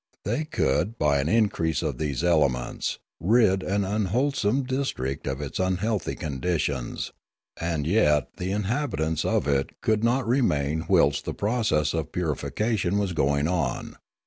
They could by an increase of these elements rid an unwholesome dis trict of its unhealthy conditions; and yet the in habitants of it could not remain whilst the process of purification was going on.